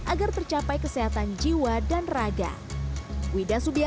agar tercapai kesehatan jiwa dan rakyat